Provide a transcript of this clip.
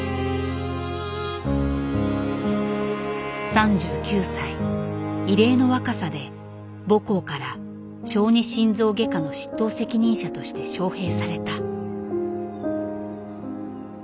３９歳異例の若さで母校から小児心臓外科の執刀責任者として招へいされた。